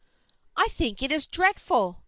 " I think it is dreadful